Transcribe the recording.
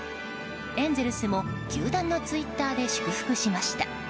エンゼルスも球団のツイッターで祝福しました。